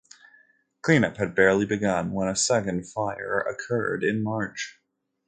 Cleanup had barely begun when a second fire occurred in March.